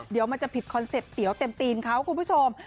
เดี๋ยวมันจะผิดคอนเซ็ปต์เตี๋ยวเต็มตีนเขาคุณผู้ชม